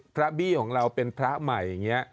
บี้ของเราเป็นพระใหม่อย่างนี้